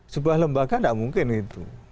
sebuah lembaga tidak mungkin itu